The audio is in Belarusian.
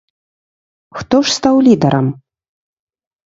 Хто ж стаў лідарам?